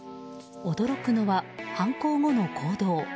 驚くのは犯行後の行動。